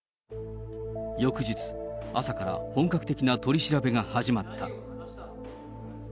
翌日、朝から本格的な取り調べが始まった。